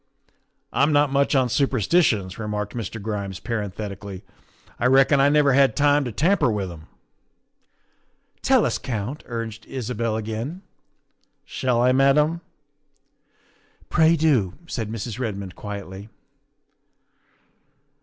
134 THE WIFE OF "I'm not much on superstitions," remarked Mr. Grimes parenthetically; " I reckon I never had time to tamper with 'em. ''" Tell us, Count," urged Isabel again. " Shall I, Madame?" " Pray do," said Mrs. Redmond quietly.